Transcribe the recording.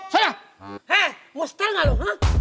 hei mau setel gak lu